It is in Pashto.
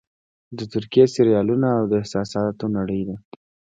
د ترکیې سریالونه د احساسونو نړۍ ده.